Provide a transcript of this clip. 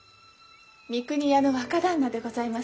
三国屋の若旦那でございます。